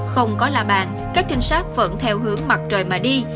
không có là bạn các trinh sát vẫn theo hướng mặt trời mà đi